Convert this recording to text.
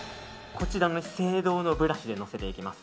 こちらの資生堂のブラシでのせていきます。